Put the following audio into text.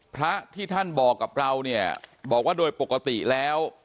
พระที่ท่านบอกกับเราเนี่ยบอกว่าโดยปกติแล้ว